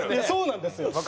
そうなんですよ。